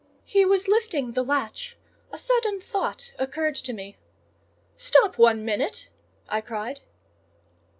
He was lifting the latch: a sudden thought occurred to me. "Stop one minute!" I cried.